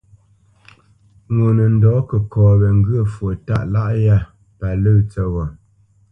Ŋo nə ndɔ̌ kəkɔ wé ŋgyə̂ fwo tâʼ lâʼ yá pa lə̂ tsəghó.